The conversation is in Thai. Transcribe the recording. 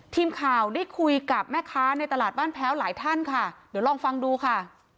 ทีมข่าวได้คุยกับแม่ค้าในตลาดบ้านแพ้วหลายท่านค่ะเดี๋ยวลองฟังดูค่ะ